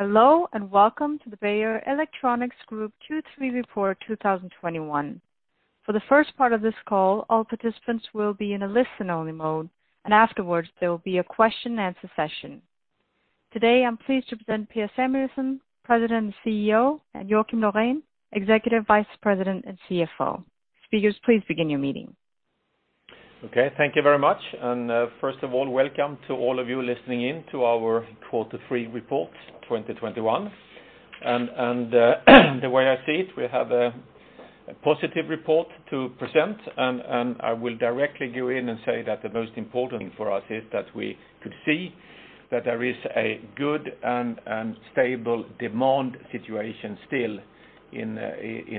Hello, and welcome to the Beijer Electronics Group Q3 report 2021. For the first part of this call, all participants will be in a listen-only mode, and afterwards, there will be a question and answer session. Today, I'm pleased to present Per Samuelsson, President and CEO, and Joakim Laurén, Executive Vice President and CFO. Speakers, please begin your meeting. Okay. Thank you very much. First of all, welcome to all of you listening in to our quarter three report 2021. The way I see it, we have a positive report to present. I will directly go in and say that the most important for us is that we could see that there is a good and stable demand situation still in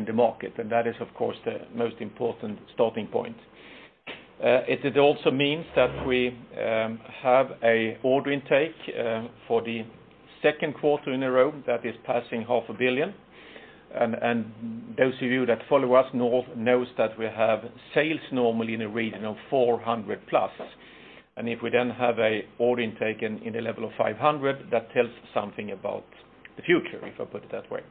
the market. That is, of course, the most important starting point. It also means that we have a order intake for the second quarter in a row that is passing half a billion. Those of you that follow us knows that we have sales normally in the region of 400+ million. If we then have a order intake in the level of 500 million, that tells something about the future, if I put it that way.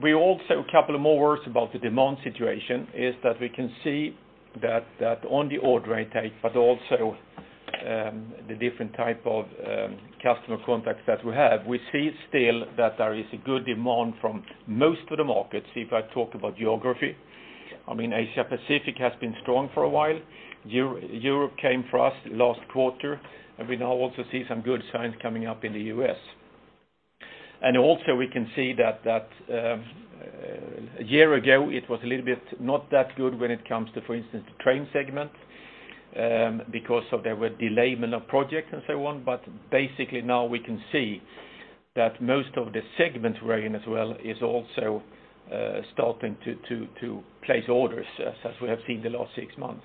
We also, a couple of more words about the demand situation is that we can see that on the order intake, but also the different type of customer contacts that we have, we see still that there is a good demand from most of the markets. If I talk about geography, Asia Pacific has been strong for a while. Europe came for us last quarter. Also we now also see some good signs coming up in the U.S. Also we can see that a year ago, it was a little bit not that good when it comes to, for instance, the train segment, because there were delayment of projects and so on. Basically now we can see that most of the segment wherein as well is also starting to place orders as we have seen the last six months.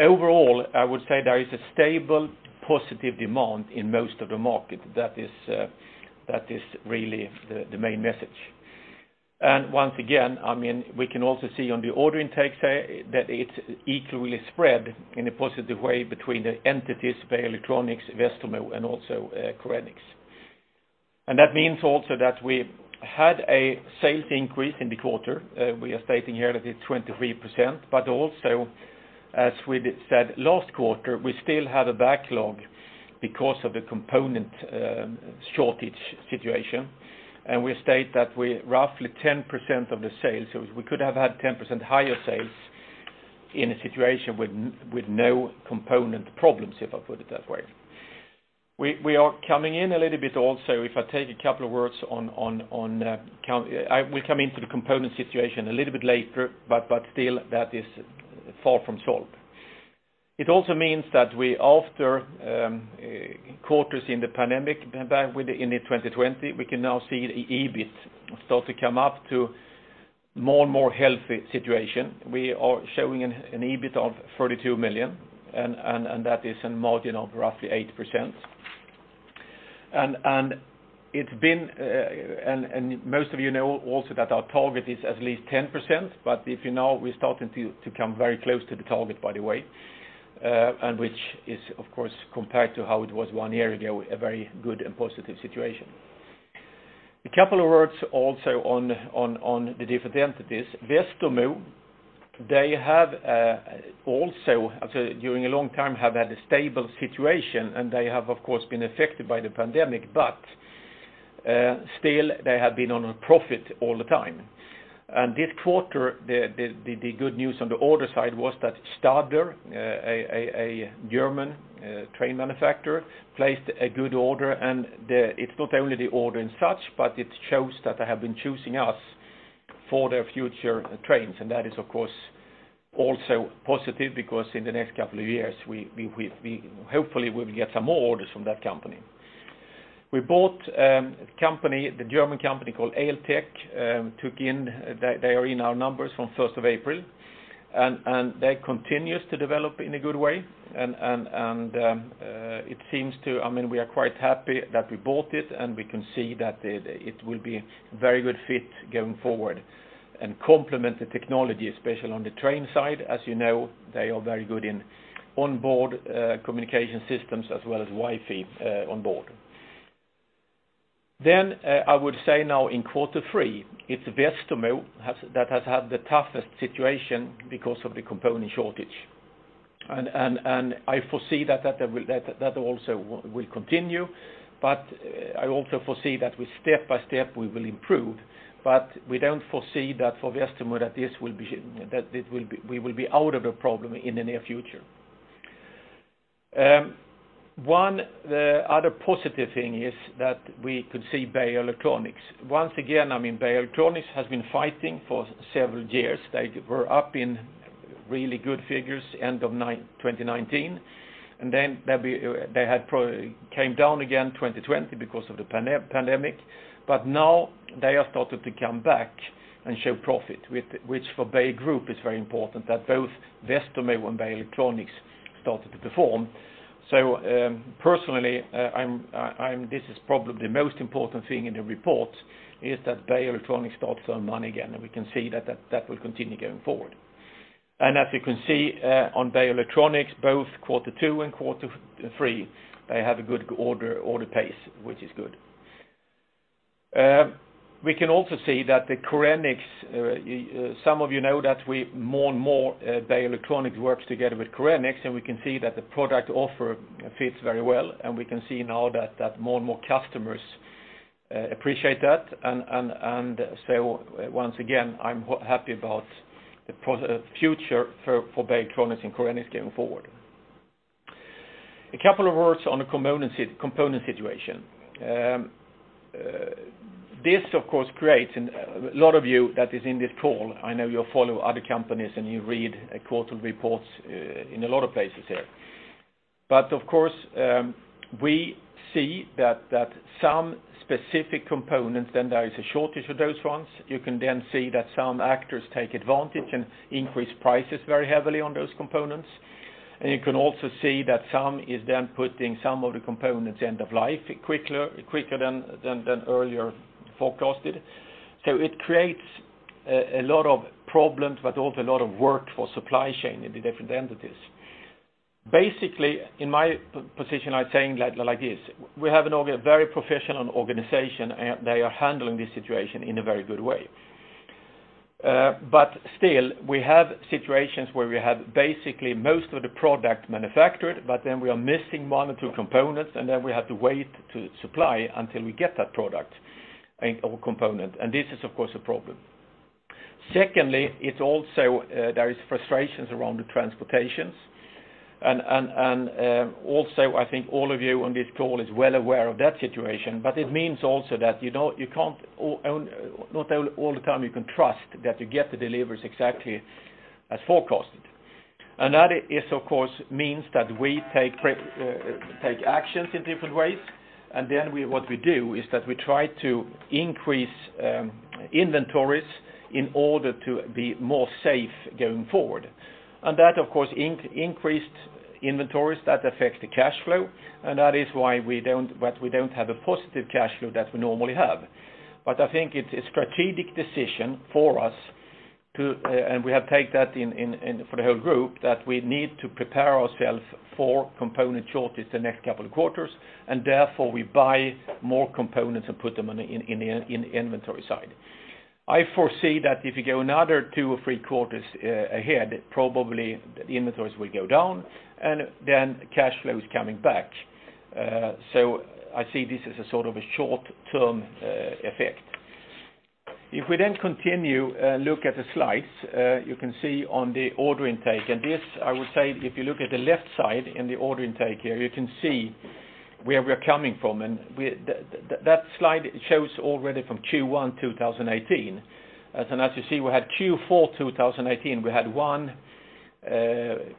Overall, I would say there is a stable, positive demand in most of the market. That is really the main message. Once again, we can also see on the order intake that it's equally spread in a positive way between the entities, Beijer Electronics, Westermo, and also Korenix. That means also that we had a sales increase in the quarter. We are stating here that it's 23%, but also as we said last quarter, we still have a backlog because of the component shortage situation, and we state that roughly 10% of the sales, we could have had 10% higher sales in a situation with no component problems, if I put it that way. We are coming in a little bit also, if I take a couple of words on. I will come into the component situation a little bit later. Still that is far from solved. It also means that after quarters in the pandemic in 2020, we can now see the EBIT start to come up to more and more healthy situation. We are showing an EBIT of 32 million, and that is a margin of roughly 8%. Most of you know also that our target is at least 10%. If you know, we're starting to come very close to the target, by the way. Which is, of course, compared to how it was one year ago, a very good and positive situation. A couple of words also on the different entities. Westermo, they have also during a long time have had a stable situation. They have, of course, been affected by the pandemic, but still, they have been on a profit all the time. This quarter, the good news on the order side was that Stadler, a German train manufacturer, placed a good order. It's not only the order and such, but it shows that they have been choosing us for their future trains. That is, of course, also positive because in the next couple of years, hopefully, we'll get some more orders from that company. We bought the German company called ELTEC. They are in our numbers from 1st of April. That continues to develop in a good way. We are quite happy that we bought it, and we can see that it will be very good fit going forward and complement the technology, especially on the train side. As you know, they are very good in onboard communication systems as well as Wi-Fi onboard. I would say now in Q3, it's Westermo that has had the toughest situation because of the component shortage. I foresee that that also will continue, I also foresee that step-by-step we will improve, we don't foresee that for Westermo that we will be out of the problem in the near future. One other positive thing is that we could see Beijer Electronics. Once again, Beijer Electronics has been fighting for several years. They were up in really good figures end of 2019, and then they came down again 2020 because of the pandemic, but now they have started to come back and show profit, which for Beijer Group is very important that both Westermo and Beijer Electronics started to perform. Personally, this is probably the most important thing in the report, is that Beijer Electronics starts to earn money again, and we can see that that will continue going forward. As you can see on Beijer Electronics, both quarter two and quarter three, they have a good order pace, which is good. We can also see that the Korenix, some of you know that more and more Beijer Electronics works together with Korenix, and we can see that the product offer fits very well, and we can see now that more and more customers appreciate that. Once again, I'm happy about the future for Beijer Electronics and Korenix going forward. A couple of words on the component situation. This of course creates, a lot of you that is in this call, I know you follow other companies and you read quarter reports in a lot of places here. Of course, we see that some specific components, then there is a shortage of those ones. You can then see that some actors take advantage and increase prices very heavily on those components. You can also see that some is then putting some of the components end of life quicker than earlier forecasted. It creates a lot of problems, but also a lot of work for supply chain in the different entities. Basically, in my position, I'm saying it like this, we have a very professional organization, and they are handling this situation in a very good way. Still, we have situations where we have basically most of the product manufactured, but then we are missing one or two components, and then we have to wait to supply until we get that product or component. This is of course a problem. Secondly, there is frustrations around the transportations, and also I think all of you on this call is well aware of that situation. It means also that not all the time you can trust that you get the deliveries exactly as forecasted. That of course means that we take actions in different ways, and then what we do is that we try to increase inventories in order to be more safe going forward. That, of course, increased inventories, that affects the cash flow, and that is why we don't have a positive cash flow that we normally have. I think it's a strategic decision for us to, and we have take that for the whole group, that we need to prepare ourselves for component shortage the next couple of quarters, and therefore we buy more components and put them in the inventory side. I foresee that if you go another two or three quarters ahead, probably the inventories will go down, then cash flow is coming back. I see this as a sort of a short-term effect. If we then continue look at the slides, you can see on the order intake, this, I would say, if you look at the left side in the order intake here, you can see where we're coming from. That slide shows already from Q1 2018. As you see, we had Q4 2018, we had one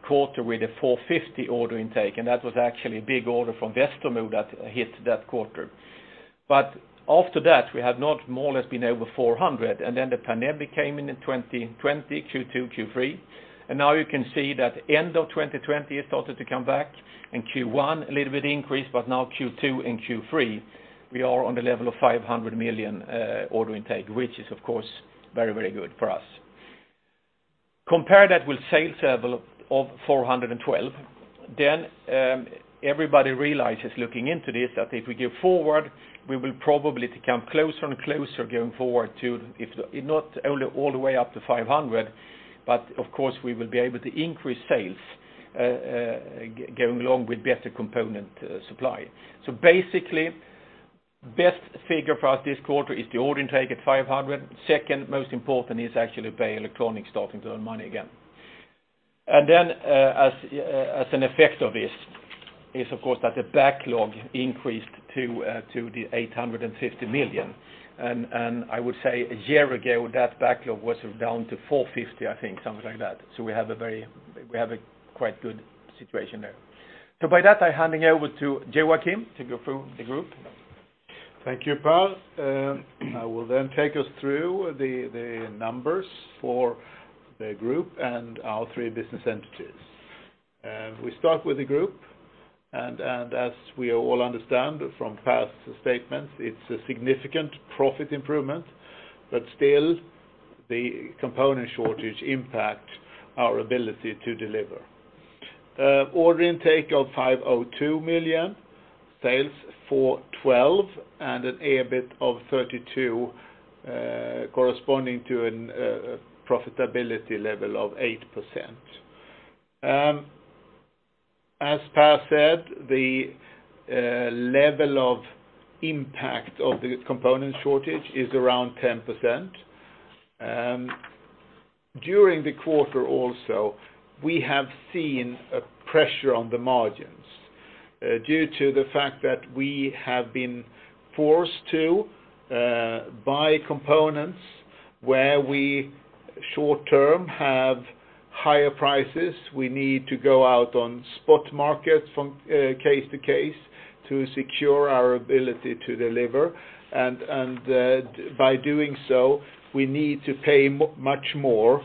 quarter with a 450 order intake, and that was actually a big order from Westermo that hit that quarter. After that, we have not more or less been over 400, and then the pandemic came in in 2020, Q2, Q3. Now you can see that end of 2020, it started to come back, in Q1, a little bit increase, but now Q2 and Q3, we are on the level of 500 million order intake, which is of course very good for us. Compare that with sales level of 412, then everybody realizes looking into this, that if we go forward, we will probably to come closer and closer going forward to, if not all the way up to 500, but of course we will be able to increase sales, going along with better component supply. Basically, best figure for us this quarter is the order intake at 500. Second most important is actually Beijer Electronics starting to earn money again. Then, as an effect of this, is of course that the backlog increased to 850 million. I would say a year ago, that backlog was down to 450, I think, something like that. We have a quite good situation there. With that, I'm handing over to Joakim Laurén to go through the group. Thank you, Per. I will take us through the numbers for the group and our three business entities. We start with the group. As we all understand from Per's statements, it's a significant profit improvement, but still, the component shortage impacts our ability to deliver. Order intake of 502 million, sales 412 million, and an EBIT of 32 million, corresponding to a profitability level of 8%. As Per said, the level of impact of the component shortage is around 10%. During the quarter also, we have seen a pressure on the margins due to the fact that we have been forced to buy components where we short-term have higher prices. We need to go out on spot markets from case to case to secure our ability to deliver. By doing so, we need to pay much more,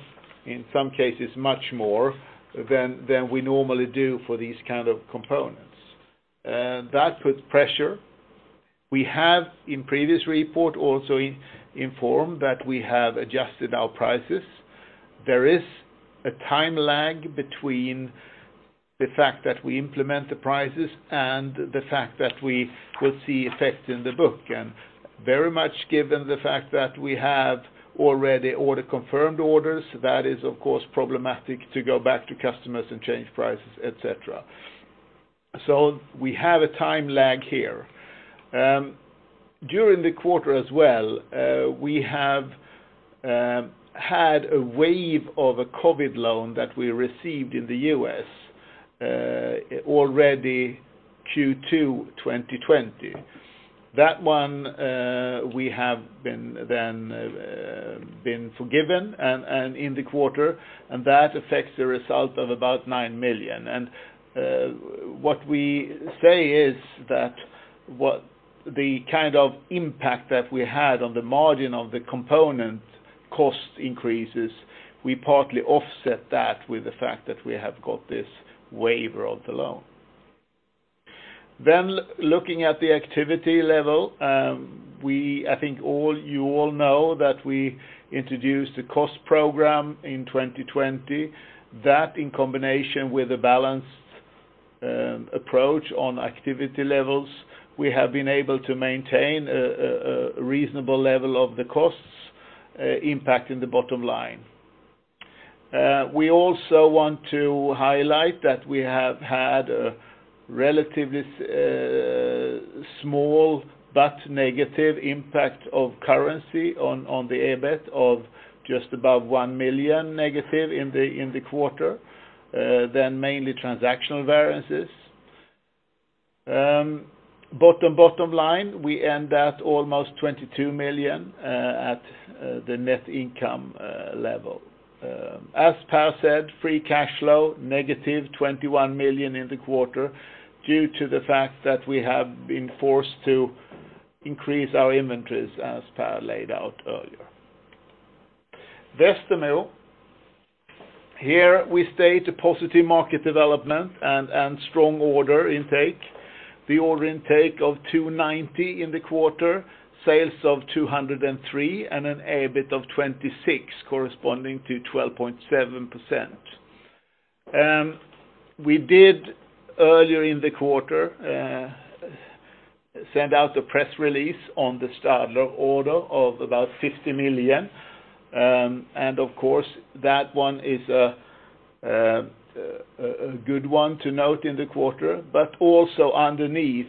in some cases much more, than we normally do for these kind of components. That puts pressure. We have in previous report also informed that we have adjusted our prices. There is a time lag between the fact that we implement the prices and the fact that we will see effect in the book, and very much given the fact that we have already order confirmed orders, that is, of course, problematic to go back to customers and change prices, et cetera. We have a time lag here. During the quarter as well, we have had a waiver of a COVID loan that we received in the U.S. already Q2 2020. That one, we have been forgiven in the quarter, and that affects the result of about 9 million. What we say is that what the kind of impact that we had on the margin of the component cost increases, we partly offset that with the fact that we have got this waiver of the loan. Looking at the activity level, I think you all know that we introduced a cost program in 2020. That, in combination with a balanced approach on activity levels, we have been able to maintain a reasonable level of the costs impacting the bottom line. We also want to highlight that we have had a relatively small but negative impact of currency on the EBIT of just above 1 million negative in the quarter, mainly transactional variances. Bottom line, we end at almost 22 million at the net income level. As Per said, free cash flow, -21 million in the quarter due to the fact that we have been forced to increase our inventories as Per laid out earlier. Westermo, here we state a positive market development and strong order intake. The order intake of 290 million in the quarter, sales of 203 million, and an EBIT of 26 million, corresponding to 12.7%. We did, earlier in the quarter, send out a press release on the Stadler order of about 50 million. Of course, that one is a good one to note in the quarter. Also underneath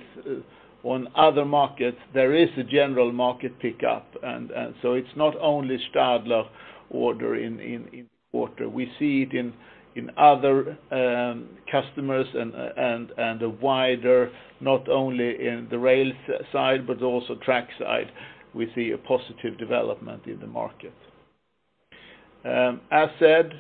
on other markets, there is a general market pickup, and so it's not only Stadler order in quarter. We see it in other customers and a wider, not only in the rail side, but also track side, we see a positive development in the market. As said,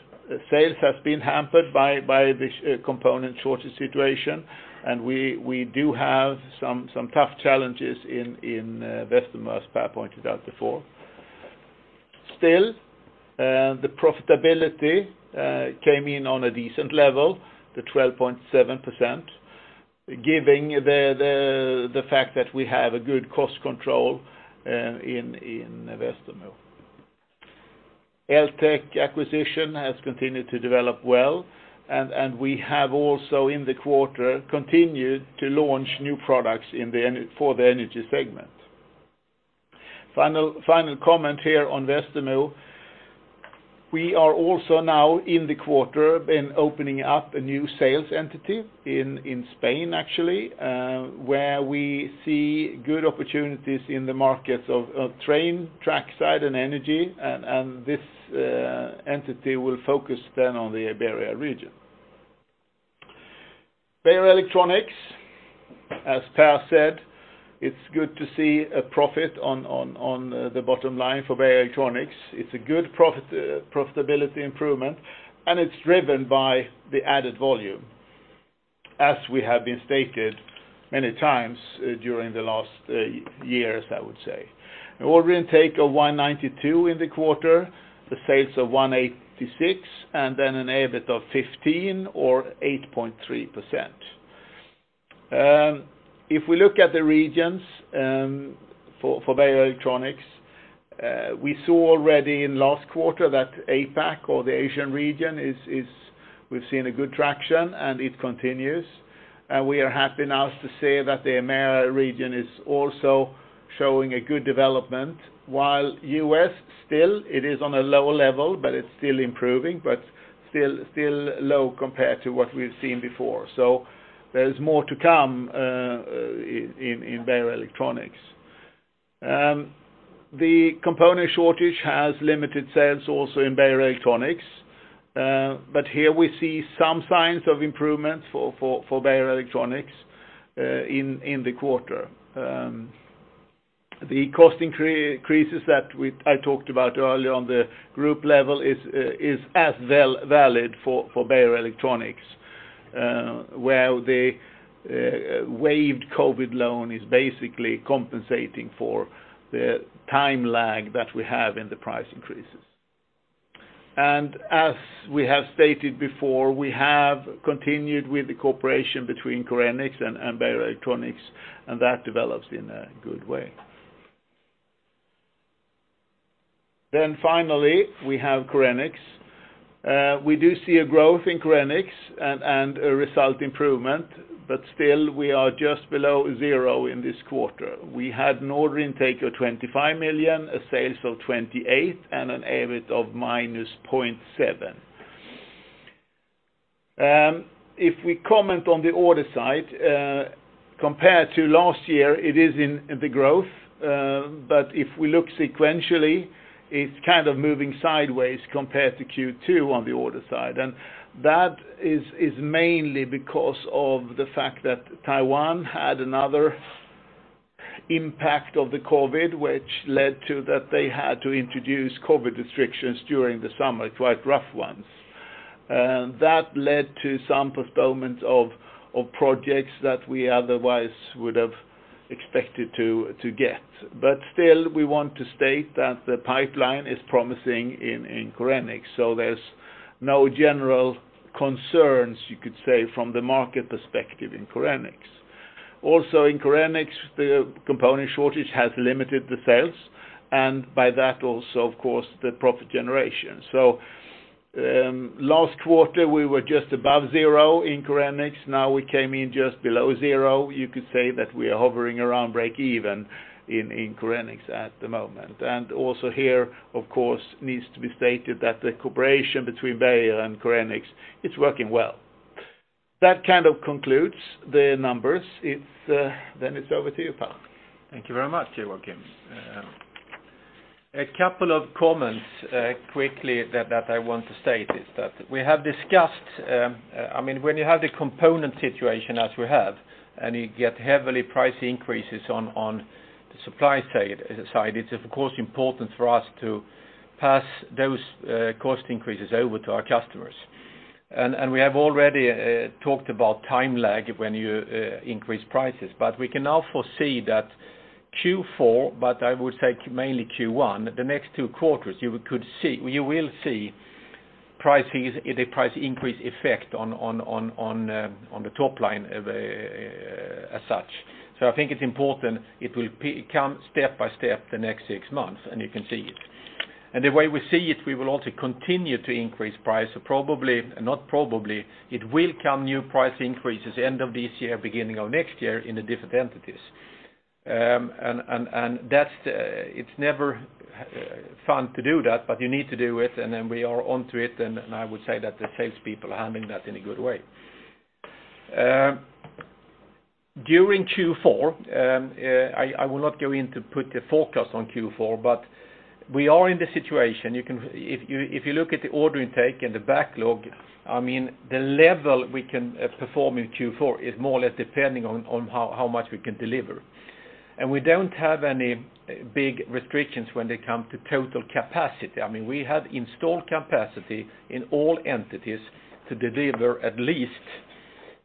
sales have been hampered by the component shortage situation, and we do have some tough challenges in Westermo, as Per pointed out before. Still, the profitability came in on a decent level to 12.7%, giving the fact that we have a good cost control in Westermo. ELTEC acquisition has continued to develop well, and we have also, in the quarter, continued to launch new products for the energy segment. Final comment here on Westermo. We are also now in the quarter been opening up a new sales entity in Spain, actually, where we see good opportunities in the markets of train, track side, and energy, and this entity will focus then on the Iberia region. Beijer Electronics. As Per said, it's good to see a profit on the bottom line for Beijer Electronics. It's a good profitability improvement, and it's driven by the added volume as we have been stated many times during the last years, I would say. Order intake of 192 in the quarter, the sales of 186, and then an EBIT of 15 or 8.3%. If we look at the regions for Beijer Electronics, we saw already in last quarter that APAC or the Asian region we've seen a good traction, and it continues. We are happy now to say that the EMEA region is also showing a good development, while U.S. still it is on a lower level, but it's still improving, but still low compared to what we've seen before. There's more to come in Beijer Electronics. The component shortage has limited sales also in Beijer Electronics, but here we see some signs of improvements for Beijer Electronics in the quarter. The cost increases that I talked about earlier on the group level is as valid for Beijer Electronics, where the waived COVID loan is basically compensating for the time lag that we have in the price increases. As we have stated before, we have continued with the cooperation between Korenix and Beijer Electronics, and that develops in a good way. Finally, we have Korenix. We do see a growth in Korenix and a result improvement, still we are just below zero in this quarter. We had an order intake of 25 million, a sales of 28 million and an EBIT of -0.7 million. If we comment on the order side, compared to last year, it is in the growth. If we look sequentially, it's kind of moving sideways compared to Q2 on the order side. That is mainly because of the fact that Taiwan had another impact of the COVID, which led to that they had to introduce COVID restrictions during the summer, quite rough ones. That led to some postponement of projects that we otherwise would have expected to get. Still, we want to state that the pipeline is promising in Korenix. There's no general concerns, you could say, from the market perspective in Korenix. Also in Korenix, the component shortage has limited the sales, and by that also, of course, the profit generation. Last quarter, we were just above zero in Korenix. Now we came in just below zero. You could say that we are hovering around break even in Korenix at the moment. Also here, of course, needs to be stated that the cooperation between Beijer and Korenix, it's working well. That kind of concludes the numbers. It's over to you, Per. Thank you very much, Joakim. A couple of comments quickly that I want to state is that we have discussed when you have the component situation as we have, and you get heavy price increases on the supply side, it's of course important for us to pass those cost increases over to our customers. We have already talked about time lag when you increase prices, but we can now foresee that Q4, but I would say mainly Q1, the next two quarters, you will see the price increase effect on the top line as such. I think it's important it will come step by step the next six months, and you can see it. The way we see it, we will also continue to increase price. Probably, it will come new price increases end of this year, beginning of next year in the different entities. It's never fun to do that, but you need to do it, and then we are on to it, and I would say that the salespeople are handling that in a good way. During Q4, I will not go in to put the forecast on Q4, but we are in the situation. If you look at the order intake and the backlog, the level we can perform in Q4 is more or less depending on how much we can deliver. We don't have any big restrictions when they come to total capacity. We have installed capacity in all entities to deliver at least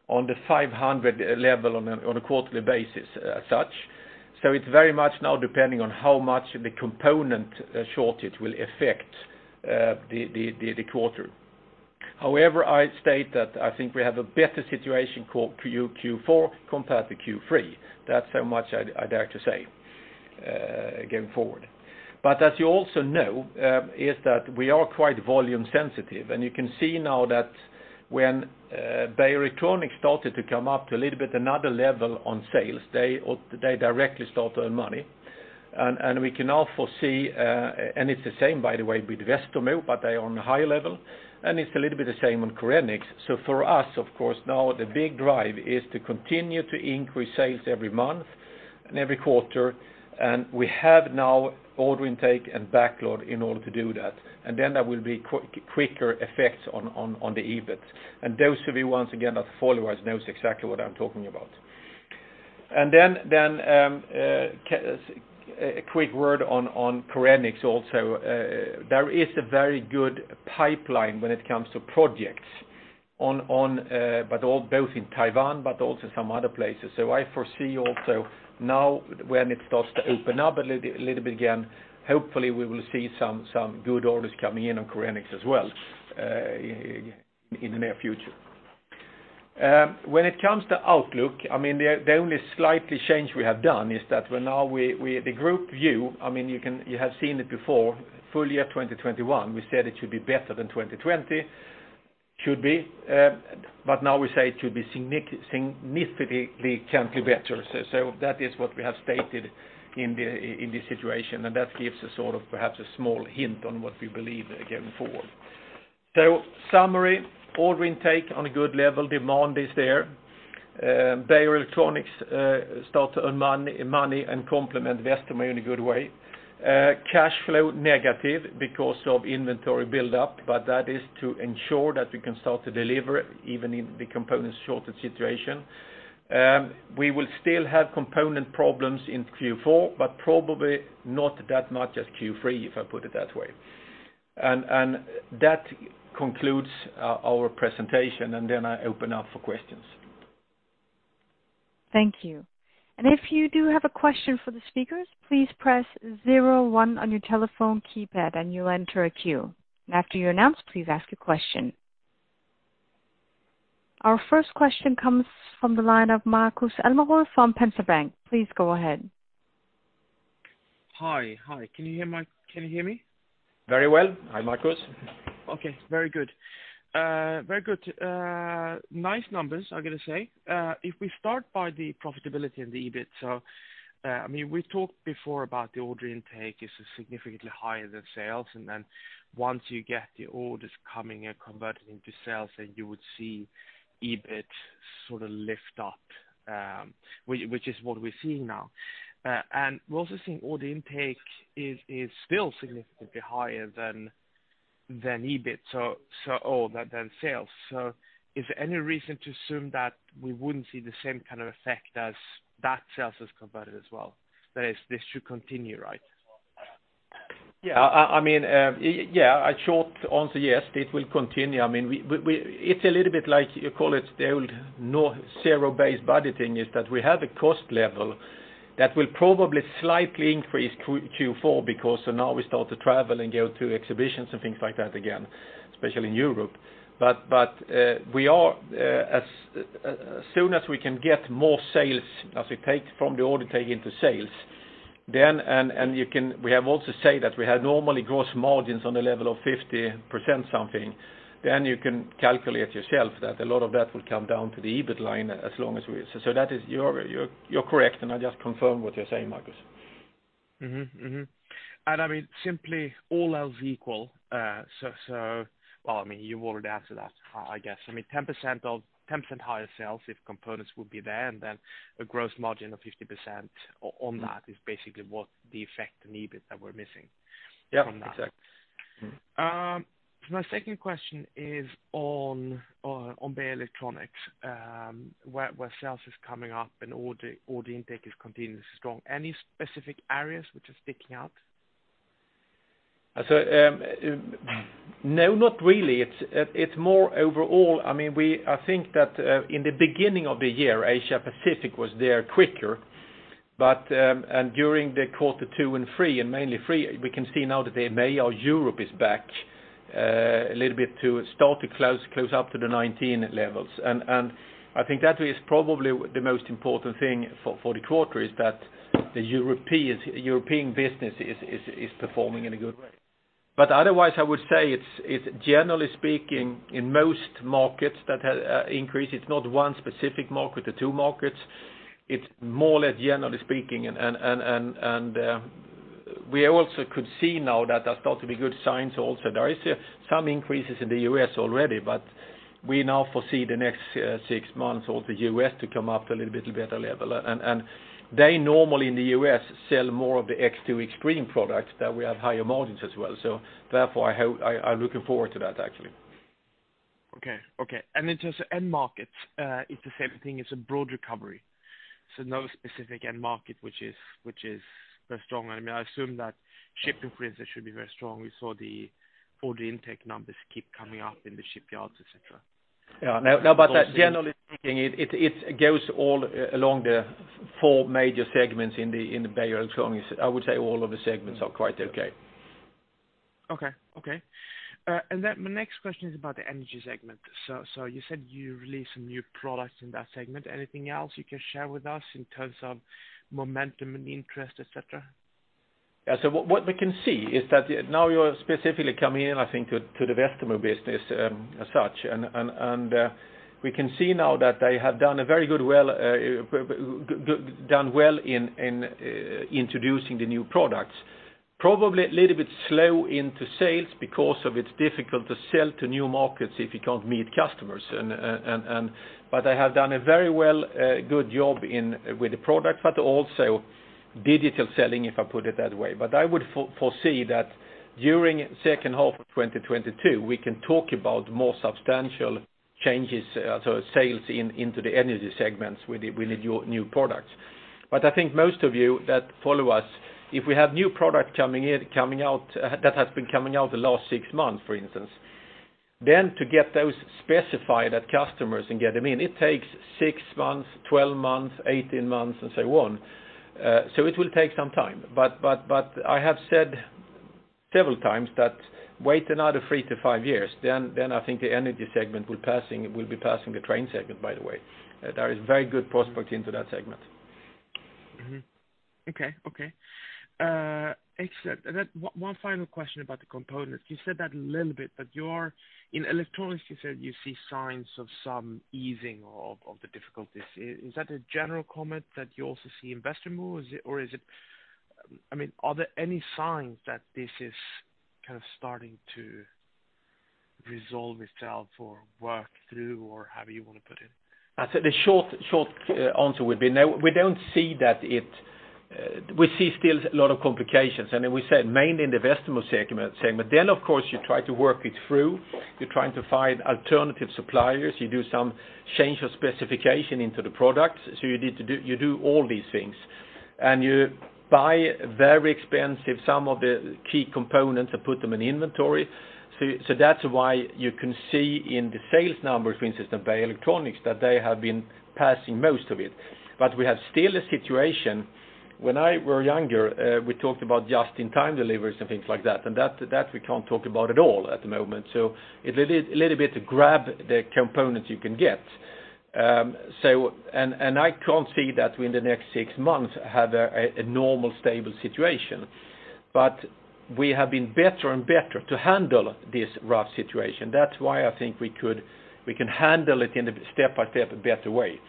on the 500 level on a quarterly basis as such. It's very much now depending on how much the component shortage will affect the quarter. However, I state that I think we have a better situation Q4 compared to Q3. That's how much I dare to say going forward. As you also know, is that we are quite volume sensitive, and you can see now that when Beijer Electronics started to come up to a little bit another level on sales, they directly start to earn money. We can now foresee, and it's the same, by the way, with Westermo, but they are on a higher level, and it's a little bit the same on Korenix. For us, of course, now the big drive is to continue to increase sales every month and every quarter. We have now order intake and backlog in order to do that. There will be quicker effects on the EBIT. Those of you, once again, that follow us knows exactly what I'm talking about. A quick word on Korenix also. There is a very good pipeline when it comes to projects both in Taiwan but also some other places. I foresee also now when it starts to open up a little bit again, hopefully we will see some good orders coming in on Korenix as well in the near future. When it comes to outlook, the only slightly change we have done is that now the group view, you have seen it before, full year 2021, we said it should be better than 2020. Should be, now we say it should be significantly better. That is what we have stated in this situation, and that gives us sort of perhaps a small hint on what we believe going forward. Summary, order intake on a good level, demand is there. Beijer Electronics start to earn money and complement Westermo in a good way. Cash flow negative because of inventory buildup, but that is to ensure that we can start to deliver even in the component shortage situation. We will still have component problems in Q4, but probably not that much as Q3, if I put it that way. That concludes our presentation, and then I open up for questions. Thank you. If you do have a question for the speakers, please press 01 on your telephone keypad and you'll enter a queue. After you're announced, please ask your question. Our first question comes from the line of Markus Almerud from Penser Bank. Please go ahead. Hi. Can you hear me? Very well. Hi, Markus. Okay. Very good. Nice numbers, I got to say. We start by the profitability and the EBIT. We talked before about the order intake is significantly higher than sales, and then once you get the orders coming and converted into sales, then you would see EBIT sort of lift up, which is what we're seeing now. We're also seeing order intake is still significantly higher than EBIT, than sales. Is there any reason to assume that we wouldn't see the same kind of effect as that sales is converted as well, that is, this should continue, right? Yeah. A short answer, yes, it will continue. It's a little bit like, you call it the old zero-based budgeting, is that we have a cost level that will probably slightly increase Q4 because so now we start to travel and go to exhibitions and things like that again, especially in Europe. As soon as we can get more sales, as we take from the order taking to sales, and we have also said that we have normally gross margins on the level of 50% something, then you can calculate yourself that a lot of that will come down to the EBIT line. You're correct, and I just confirm what you're saying, Markus. Mm-hmm. Simply all else equal. Well, you already answered that, I guess. 10% higher sales, if components would be there, and then a gross margin of 50% on that is basically what the effect in EBIT that we're missing. Yeah. from that. Exactly. My second question is on Beijer Electronics, where sales is coming up and order intake is continuously strong. Any specific areas which are sticking out? No, not really. It's more overall. I think that in the beginning of the year, Asia Pacific was there quicker. During the quarter two and three, and mainly three, we can see now that Europe is back a little bit to start to close up to the '19 levels. I think that is probably the most important thing for the quarter, is that the European business is performing in a good way. Otherwise, I would say it's generally speaking, in most markets that has increased, it's not one specific market or two markets. It's more or less generally speaking. We also could see now that there start to be good signs also. There is some increases in the U.S. already, we now foresee the next six months or the U.S. to come up to a little bit better level. They normally in the U.S. sell more of the X2 extreme products that we have higher margins as well. Therefore, I'm looking forward to that, actually. Okay. In terms of end markets, it's the same thing, it's a broad recovery. No specific end market which is very strong. I assume that ship increases should be very strong. We saw the order intake numbers keep coming up in the shipyards, et cetera. Yeah. No, generally speaking, it goes all along the four major segments in the Beijer Electronics. I would say all of the segments are quite okay. Okay. Then my next question is about the energy segment. You said you released some new products in that segment. Anything else you can share with us in terms of momentum and interest, et cetera? What we can see is that now you're specifically coming in, I think, to the Westermo business as such. We can see now that they have done well in introducing the new products. Probably a little bit slow into sales because of it's difficult to sell to new markets if you can't meet customers. They have done a very good job with the product, but also digital selling, if I put it that way. I would foresee that during second half of 2022, we can talk about more substantial changes, so sales into the energy segments with the new products. I think most of you that follow us, if we have new product that has been coming out the last six months, for instance, then to get those specified at customers and get them in, it takes six months, 12 months, 18 months, and so on. It will take some time. I have said several times that wait another three to five years, then I think the energy segment will be passing the train segment, by the way. There is very good prospects into that segment. Mm-hmm. Okay. Excellent. Then one final question about the components. You said that a little bit, but in electronics, you said you see signs of some easing of the difficulties. Is that a general comment that you also see in Westermo? Are there any signs that this is kind of starting to resolve itself or work through, or however you want to put it? The short answer would be no. We see still a lot of complications. We said mainly in the Westermo segment. Of course, you try to work it through. You're trying to find alternative suppliers. You do some change of specification into the product. You do all these things. You buy very expensive, some of the key components, and put them in inventory. That's why you can see in the sales numbers, for instance, of Beijer Electronics, that they have been passing most of it. We have still a situation. When I was younger, we talked about just-in-time deliveries and things like that, and that we can't talk about at all at the moment. It's a little bit to grab the components you can get. I can't see that in the next six months have a normal, stable situation. We have been better and better to handle this rough situation. That's why I think we can handle it in a step-by-step better way.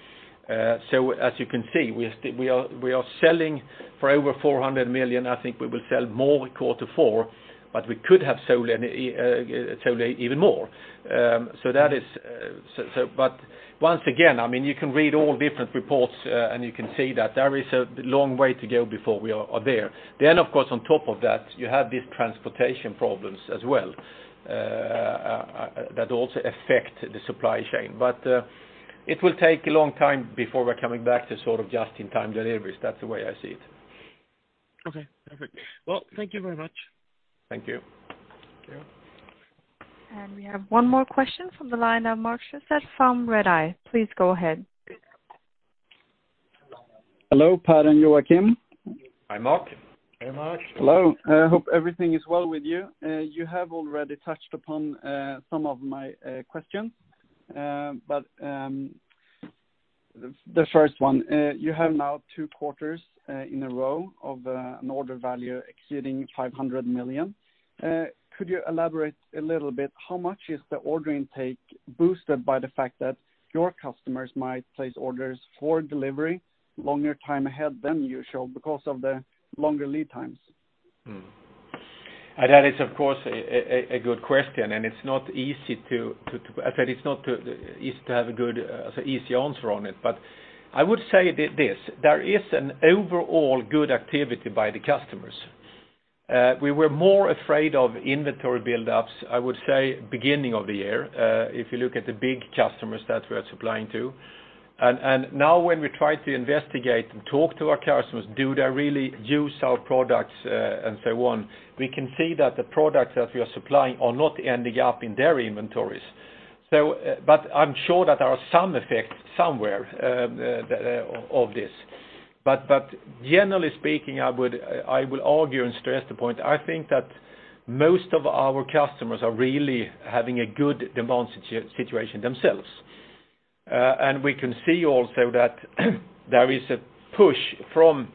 As you can see, we are selling for over 400 million. I think we will sell more quarter four, but we could have sold even more. Once again, you can read all different reports, and you can see that there is a long way to go before we are there. Of course, on top of that, you have these transportation problems as well, that also affect the supply chain. It will take a long time before we're coming back to just-in-time deliveries. That's the way I see it. Okay, perfect. Well, thank you very much. Thank you. Thank you. We have one more question from the line of Mark Sjöstedt from Redeye. Please go ahead. Hello, Per and Joakim. Hi, Mark. Hey, Mark. Hello. I hope everything is well with you. You have already touched upon some of my questions. The first one, you have now two quarters in a row of an order value exceeding 500 million. Could you elaborate a little bit, how much is the order intake boosted by the fact that your customers might place orders for delivery longer time ahead than usual because of the longer lead times? That is, of course, a good question, and it's not easy to have a good, easy answer on it. I would say this. There is an overall good activity by the customers. We were more afraid of inventory buildups, I would say, beginning of the year, if you look at the big customers that we are supplying to. Now when we try to investigate and talk to our customers, do they really use our products and so on, we can see that the products that we are supplying are not ending up in their inventories. I'm sure that there are some effects somewhere of this. Generally speaking, I will argue and stress the point, I think that most of our customers are really having a good demand situation themselves. We can see also that there is a push from,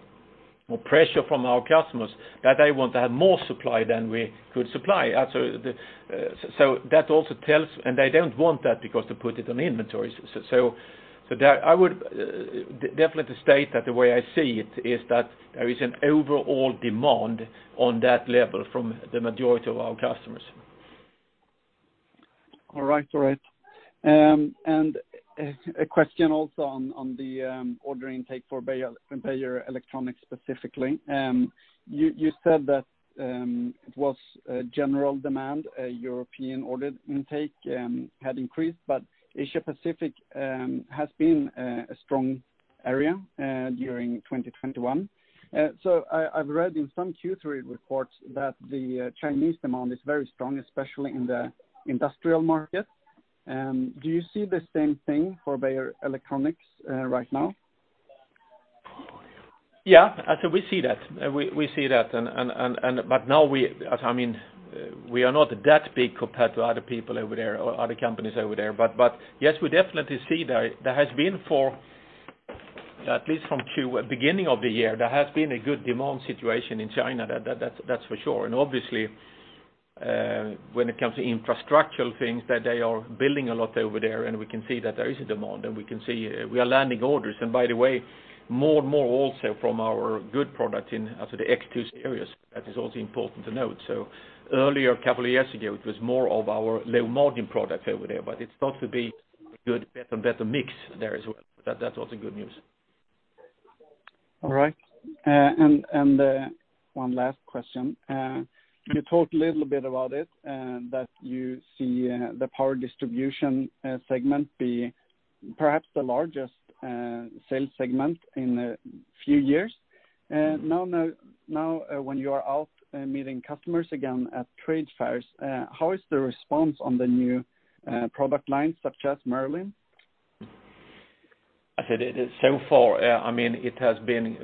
or pressure from our customers that they want to have more supply than we could supply. They don't want that because to put it on inventories. I would definitely state that the way I see it is that there is an overall demand on that level from the majority of our customers. All right. A question also on the ordering intake for Beijer Electronics specifically. You said that it was a general demand, a European order intake had increased, but Asia-Pacific has been a strong area during 2021. I've read in some Q3 reports that the Chinese demand is very strong, especially in the industrial market. Do you see the same thing for Beijer Electronics right now? Yeah, we see that. Now we are not that big compared to other people over there, or other companies over there. Yes, we definitely see there has been for at least from beginning of the year, there has been a good demand situation in China. That's for sure. Obviously, when it comes to infrastructural things, that they are building a lot over there, and we can see that there is a demand, and we can see we are landing orders. By the way, more and more also from our good product in the X2 areas, that is also important to note. Earlier, a couple of years ago, it was more of our low-margin product over there, but it starts to be a good, better mix there as well. That's also good news. All right. One last question. You talked a little bit about it, that you see the power distribution segment be perhaps the largest sales segment in a few years. When you are out meeting customers again at trade fairs, how is the response on the new product lines such as Merlin? Far, it has been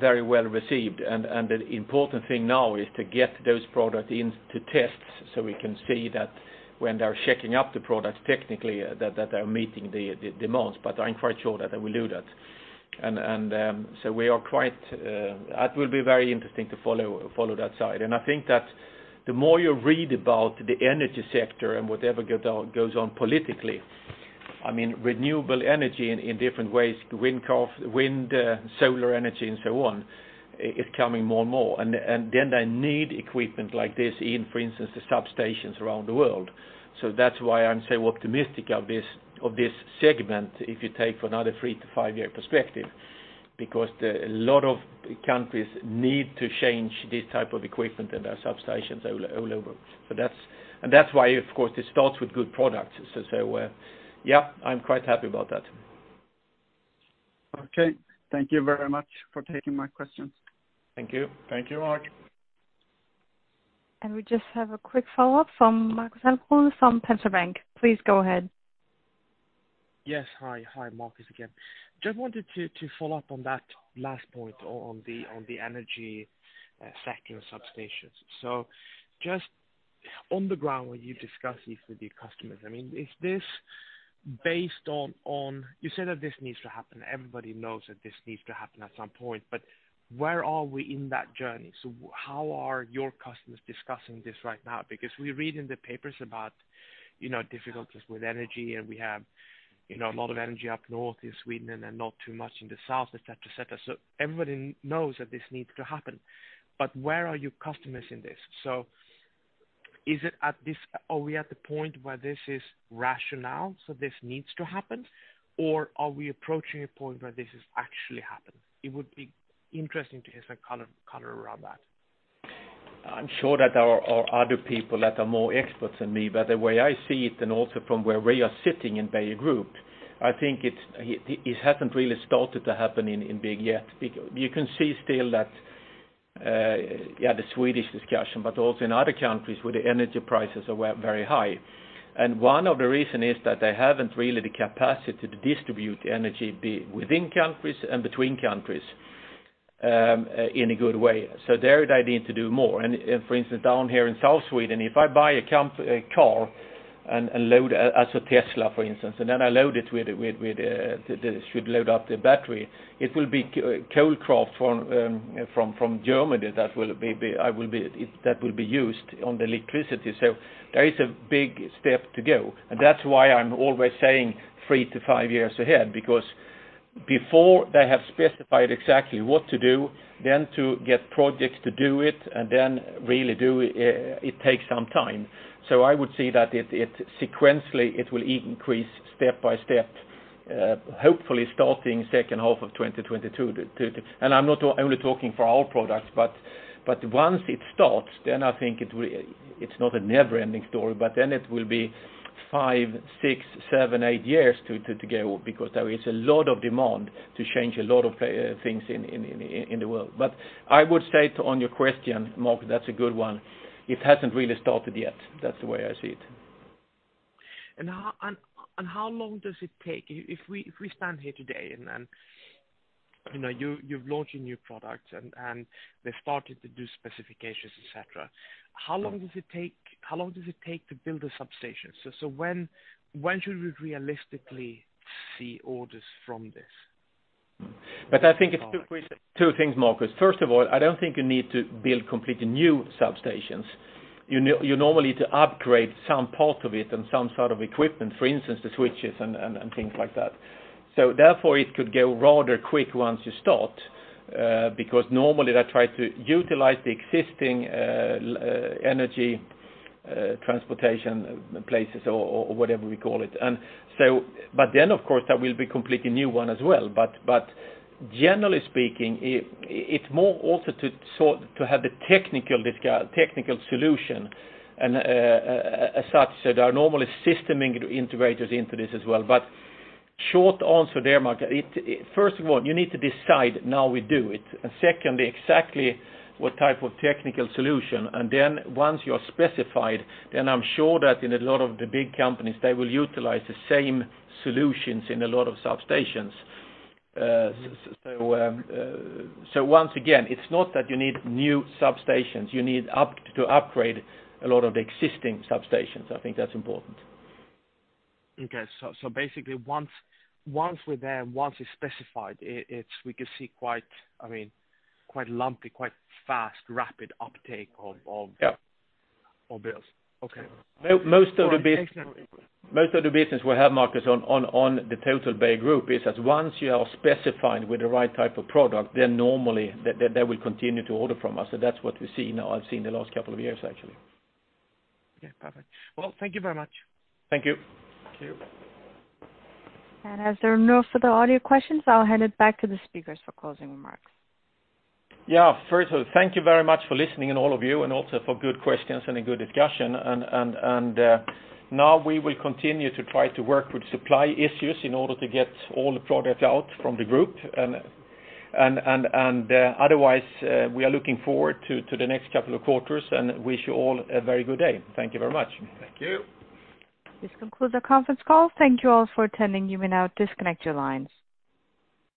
very well received, and the important thing now is to get those products into tests so we can see that when they're checking up the products technically that they're meeting the demands. I'm quite sure that they will do that. That will be very interesting to follow that side. I think that the more you read about the energy sector and whatever goes on politically, renewable energy in different ways, wind, solar energy, and so on, is coming more and more. They need equipment like this in, for instance, the substations around the world. That's why I'm so optimistic of this segment if you take another three to five-year perspective, because a lot of countries need to change this type of equipment in their substations all over. That's why, of course, it starts with good products. Yeah, I'm quite happy about that. Okay. Thank you very much for taking my questions. Thank you. Thank you, Mark. We just have a quick follow-up from Markus Almerud from Penser Bank. Please go ahead. Yes. Hi, Markus again. Just wanted to follow up on that last point on the energy sector substations. Just on the ground, when you discuss this with your customers, you say that this needs to happen. Everybody knows that this needs to happen at some point, but where are we in that journey? How are your customers discussing this right now? Because we read in the papers about difficulties with energy, and we have a lot of energy up north in Sweden and not too much in the south, et cetera. Everybody knows that this needs to happen, but where are your customers in this? Are we at the point where this is rationale, so this needs to happen? Or are we approaching a point where this is actually happening? It would be interesting to hear some color around that. I'm sure that there are other people that are more experts than me, but the way I see it, and also from where we are sitting in Beijer Group, I think it hasn't really started to happen in big yet. You can see still that, yeah, the Swedish discussion, but also in other countries where the energy prices are very high. One of the reason is that they haven't really the capacity to distribute energy be within countries and between countries in a good way. There they need to do more. For instance, down here in South Sweden, if I buy a car, as a Tesla, for instance, and then I should load up the battery, it will be coal power from Germany that will be used on the electricity. There is a big step to go, and that's why I'm always saying three-five years ahead, because before they have specified exactly what to do, then to get projects to do it, and then really do it takes some time. I would say that sequentially, it will increase step by step, hopefully starting second half of 2022. I'm only talking for our products, but once it starts, then I think it's not a never-ending story, but then it will be five, six, seven, eight years to go because there is a lot of demand to change a lot of things in the world. I would say on your question, Markus, that's a good one. It hasn't really started yet. That's the way I see it. How long does it take? If we stand here today, and you're launching new products and they started to do specifications, et cetera. How long does it take to build a substation? When should we realistically see orders from this? I think it's two things, Markus. First of all, I don't think you need to build completely new substations. You normally need to upgrade some part of it and some sort of equipment, for instance, the switches and things like that. Therefore, it could go rather quick once you start, because normally they try to utilize the existing energy transportation places or whatever we call it. Then, of course, there will be completely new one as well. Generally speaking, it's more also to have the technical solution, and as such, there are normally system integrators into this as well. Short answer there, Markus, first of all, you need to decide, now we do it. Secondly, exactly what type of technical solution. Once you're specified, then I'm sure that in a lot of the big companies, they will utilize the same solutions in a lot of substations. Once again, it's not that you need new substations. You need to upgrade a lot of the existing substations. I think that's important. Okay. Basically, once we're there, once it's specified, we could see quite lumpy, quite fast, rapid uptake of. Yeah of bills. Okay. Most of the business we have, Markus, on the total Beijer Group is that once you are specified with the right type of product, then normally they will continue to order from us. That's what we see now. I've seen the last couple of years, actually. Yeah. Perfect. Well, thank you very much. Thank you. Thank you. As there are no further audio questions, I will hand it back to the speakers for closing remarks. Yeah. First of all, thank you very much for listening in all of you, and also for good questions and a good discussion. Now we will continue to try to work with supply issues in order to get all the product out from the group. Otherwise, we are looking forward to the next couple of quarters and wish you all a very good day. Thank you very much. Thank you. This concludes the conference call. Thank you all for attending. You may now disconnect your lines.